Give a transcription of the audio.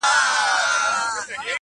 دا کاڼي د غضب یوازي زموږ پر کلي اوري-